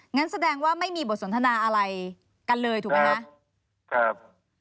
งั้นแสดงว่าไม่มีบทสนทนาอะไรกันเลยถูกไหมคะครับ